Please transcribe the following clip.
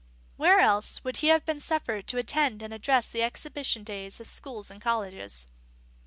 Where else would he have been suffered to attend and address the exhibition days of schools and colleges?